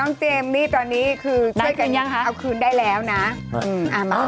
น้องเจมส์นี่ตอนนี้คือเอาคืนได้แล้วนะ